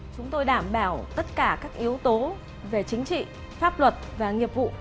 chúng tôi đảm bảo tất cả các yếu tố về chính trị pháp luật và nghiệp vụ